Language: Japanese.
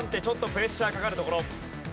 ちょっとプレッシャーかかるところ。